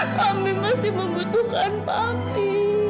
kami masih membutuhkan papi